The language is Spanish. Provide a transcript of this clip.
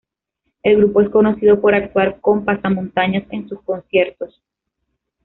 El grupo es conocido por actuar con pasamontañas en sus conciertos.